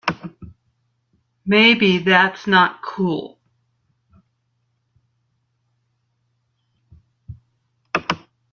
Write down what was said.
Maybe that's not cool.